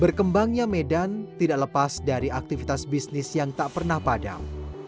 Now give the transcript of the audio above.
berkembangnya medan tidak lepas dari aktivitas bisnis yang tak pernah padam